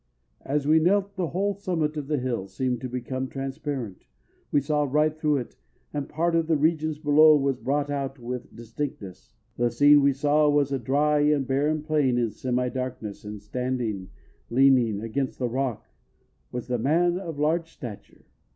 "_As we knelt the whole summit of the hill seemed to become transparent—we saw right through it and a part of the regions below was brought out with distinctness. The scene we saw was a dry and barren plain in semi darkness and standing, leaning against a rock, was a man of large stature.